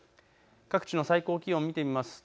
各地の最高気温を見ていきますと